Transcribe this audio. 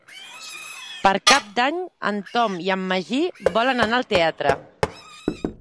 Per Cap d'Any en Tom i en Magí volen anar al teatre.